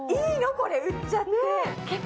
これ売っちゃって。